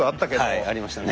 はいありましたね。